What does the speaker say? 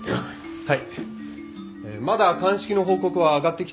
はい。